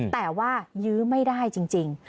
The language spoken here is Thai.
แต่ว่ายื้อไม่ได้จริง